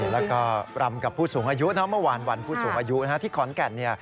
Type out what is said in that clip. แล้วก็รำกับผู้สูงอายุนะเมื่อวานวันผู้สูงอายุที่ขอนแก่น